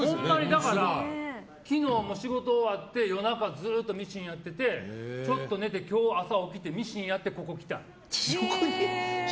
だから、昨日も仕事終わって夜中、ずっとミシンやっててちょっと寝て今日朝起きてミシンやってここ来た。